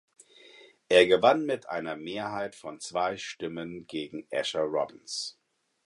Er gewann mit einer Mehrheit von zwei Stimmen gegen Asher Robbins.